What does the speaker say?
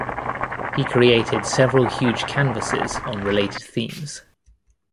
He created several huge canvases on related themes.